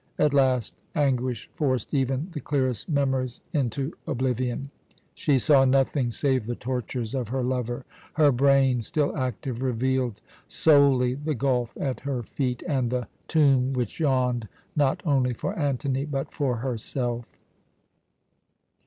At last anguish forced even the clearest memories into oblivion: she saw nothing save the tortures of her lover; her brain, still active, revealed solely the gulf at her feet, and the tomb which yawned not only for Antony, but for herself.